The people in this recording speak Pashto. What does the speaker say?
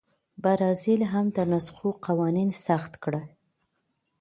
برازیل هم د نسخو قوانین سخت کړي.